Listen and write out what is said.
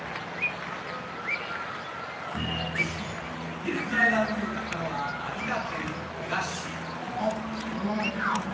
ディレクターが向かったのはあっなまはげ。